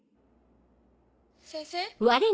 先生？